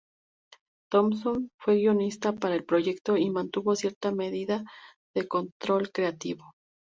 Thompson fue guionista para el proyecto y mantuvo cierta medida de control creativo.